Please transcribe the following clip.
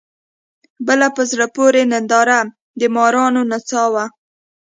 بله په زړه پورې ننداره د مارانو نڅا وه.